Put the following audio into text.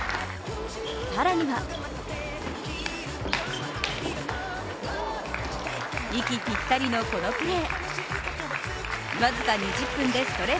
更には息ぴったりのこのプレー。